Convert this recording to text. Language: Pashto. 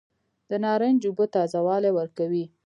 د نارنج اوبه تازه والی ورکوي.